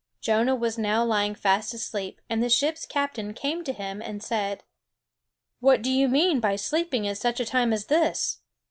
Jonah was now lying fast asleep, and the ship's captain came to him, and said: "What do you mean by sleeping in such a time as this?